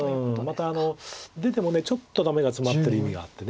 また出てもちょっとダメがツマってる意味があって。